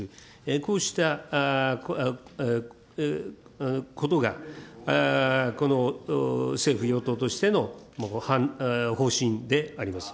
こうしたことがこの政府・与党としての方針であります。